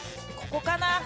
ここかな？